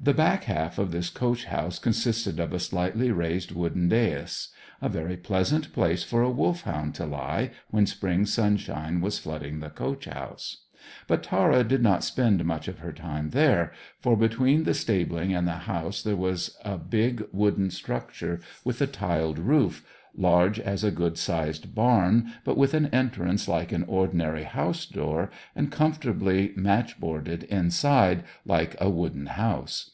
The back half of this coach house consisted of a slightly raised wooden dais; a very pleasant place for a Wolfhound to lie, when spring sunshine was flooding the coach house. But Tara did not spend much of her time there, for between the stabling and the house there was a big wooden structure with a tiled roof, large as a good sized barn, but with an entrance like an ordinary house door, and comfortably matchboarded inside, like a wooden house.